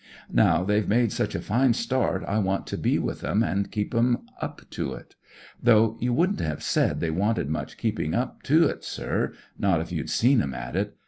Now they've made such a fine start I want to be with 'em an' keep 'em up to it. Though you wouldn't have said they wanted much keeping up to it, sir ; not if you'd seen 'em at it.